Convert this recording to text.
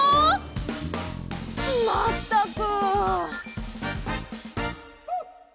まったく。